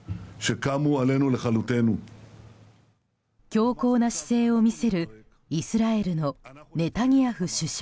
強硬な姿勢を見せるイスラエルのネタニヤフ首相。